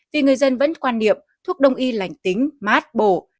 vì người dân vẫn quan niệm thuốc đồng ý lành tính mát bổ